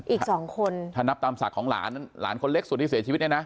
อีกสองคนถ้านับตามศักดิ์ของหลานหลานคนเล็กสุดที่เสียชีวิตเนี่ยนะ